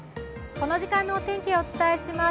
この時間のお天気をお伝えします。